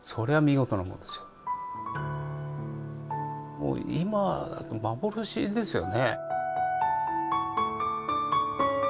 もう今だと幻ですよね。